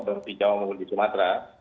dari jawa maupun di sumatera